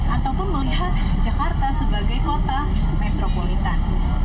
ataupun melihat jakarta sebagai kota metropolitan